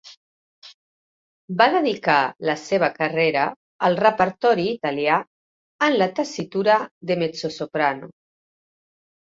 Va dedicar la seva carrera al repertori italià en la tessitura de mezzosoprano.